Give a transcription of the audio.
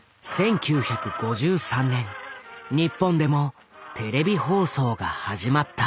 １９５３年日本でもテレビ放送が始まった。